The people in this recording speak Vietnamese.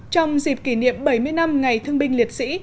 trong dịp kỷ niệm bảy mươi năm ngày thương binh liệt sĩ